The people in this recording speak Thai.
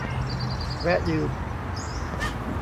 แวะยืม